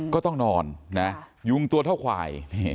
ก็ต้องนอนนะยุงตัวเท่าควาย